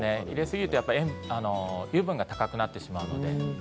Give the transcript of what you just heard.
入れすぎると油分が高くなってしまうので。